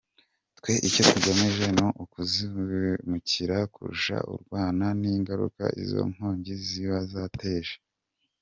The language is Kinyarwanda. Twe icyo tugamije ni ukuzikumira kurusha kurwana n’ingaruka izo nkongi ziba zateje."